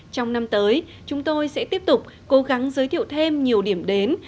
trong năm tới chúng tôi sẽ tiếp tục cố gắng giới thiệu thêm nhiều điểm đến